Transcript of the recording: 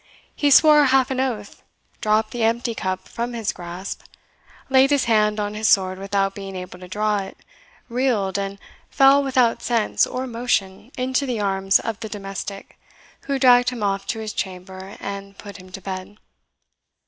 He swore half an oath, dropped the empty cup from his grasp, laid his hand on his sword without being able to draw it, reeled, and fell without sense or motion into the arms of the domestic, who dragged him off to his chamber, and put him to bed.